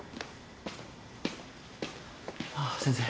あっ先生。